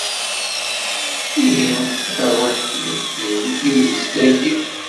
Ini i terwiḥt-iw: D nekk i d leslak-im.